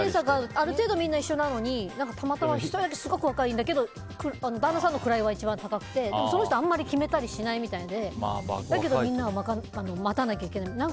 ある程度みんな一緒なのにたまたま人より上だから旦那さんのくらいは一番高くてでも、その人あんまり決めたりしないみたいでだけどみんなは待たなきゃいけない。